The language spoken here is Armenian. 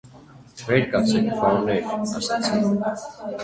- Վեր կացեք, պարոններ,- ասացի.